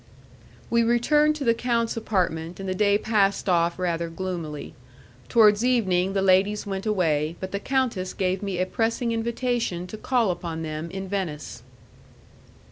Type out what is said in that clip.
We returned to the count's apartment, and the day passed off rather gloomily. Towards evening the ladies went away, but the countess gave me a pressing invitation to call upon them in Venice.